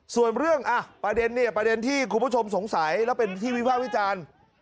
ส่วนเรื่องประเด็นที่คุณผู้ชมสงสัยและเป็นที่วิวาควิจารณ์